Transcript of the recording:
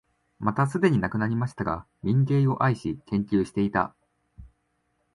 またすでに亡くなりましたが、民藝を愛し、研究していた、